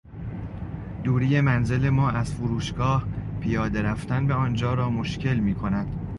دوری منزل ما از فروشگاه پیاده رفتن به آنجا را مشکل میکند.